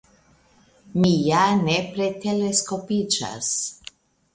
mi ja nepre teleskopiĝas!